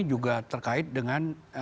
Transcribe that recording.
juga terkait dengan